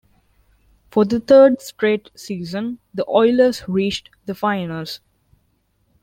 For the third straight season, the Oilers reached the Finals.